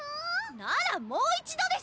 ならもう一度です！